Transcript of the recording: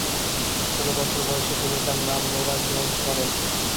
ষোল বছর বয়সে তিনি তার নাম নোরা জোন্স করেন।